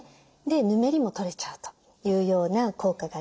でヌメリも取れちゃうというような効果があります。